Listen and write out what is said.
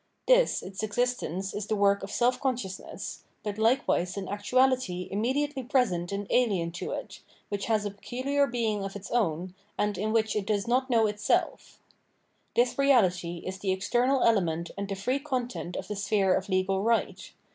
This its existence is the work of self consciousness, but likewise an actuality immediately present and ahen to it, which has a peculiar being of its own, and in which it does not know itself. This reahty is the external element and the free content* of the sphere of legal right.